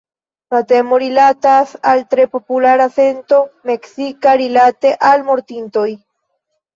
La temo rilatas al tre populara sento meksika rilate al mortintoj.